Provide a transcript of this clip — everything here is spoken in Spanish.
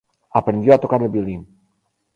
Aprendió a tocar el violín.